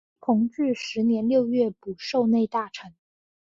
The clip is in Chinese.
同治十年六月补授内大臣。